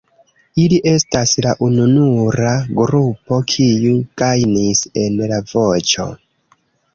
Ili estas la ununura grupo kiu gajnis en La Voĉo.